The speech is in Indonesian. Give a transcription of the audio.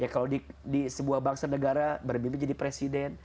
kalau di sebuah bangsa negara bermimpi jadi presiden